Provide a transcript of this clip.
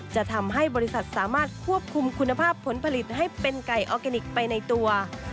จะทำให้บริษัทสามารถควบคุมคุณภาพผลผลิตให้เป็นไก่ออร์แกนิคไปในตัว